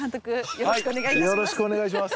よろしくお願いします